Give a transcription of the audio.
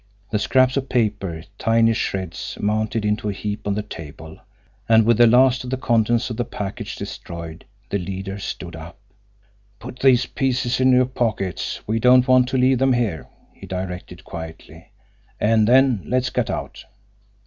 The scraps of paper, tiny shreds, mounted into a heap on the table and with the last of the contents of the package destroyed, the leader stood up. "Put these pieces in your pockets; we don't want to leave them here," he directed quietly. "And then let's get out."